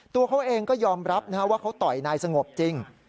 ตัวเขาเองก็ยอมรับว่าเขาต่อยนายสงบจริง